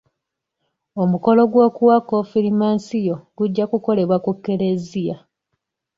Omukolo gw'okuwa konfirimansiyo gujja kukolebwa ku kereziya.